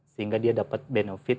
sehingga dia dapat benefit